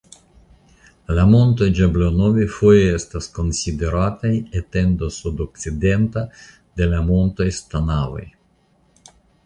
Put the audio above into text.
La montoj Ĝablonovi foje estas konsiderataj etendo sudokcidenta de la montoj Stanavoj.